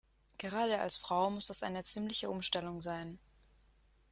Gerade als Frau muss das eine ziemliche Umstellung sein.